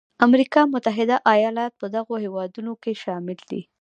امریکا متحده ایالات په دغو هېوادونو کې شامل دی.